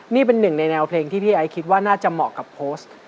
นี่เป็นหนึ่งในแนวเพลงที่พี่ไอซ์คิดว่าน่าจะเหมาะกับโพสต์